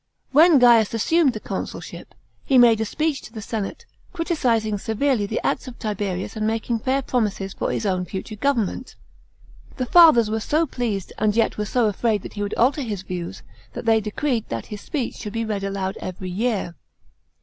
When Gaius assumed the consulship, he made a speech to the senate, criticising severely the acts of Tiberius and making fair promises for his own future government. The fathers were so pleased, and yet so afraid that he would alter his views, that they decreed that his speech should be read aloud every year.